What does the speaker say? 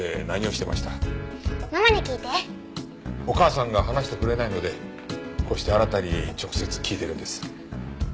お母さんが話してくれないのでこうしてあなたに直接聞いてるんです。